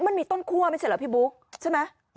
มันมีต้นคั่วไม่ใช่เหรอพี่บุ๊คใช่ไหม